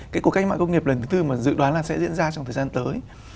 cái cuộc cách mạng công nghiệp lần thứ tư mà dự đoán là sẽ diễn ra trong thời gian tới